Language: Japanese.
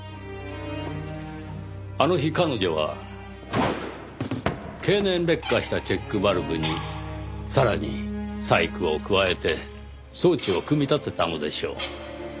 あの日彼女は経年劣化したチェックバルブにさらに細工を加えて装置を組み立てたのでしょう。